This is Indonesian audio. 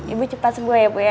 ibu cepat sembuh ya bu